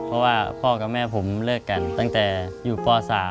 เพราะว่าพ่อกับแม่ผมเลิกกันตั้งแต่อยู่ป๓